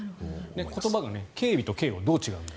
言葉が警備と警護どう違うんだ